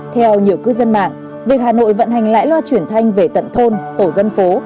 theo nhiều cư dân mạng việc hà nội vận hành lãi loa truyền thanh về tận thôn tổ dân phố